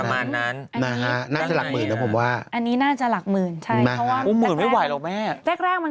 น่าจะมาหลักพันไข้วัดใหญ่ก็เป็นหลักพันค่ะหลักพัน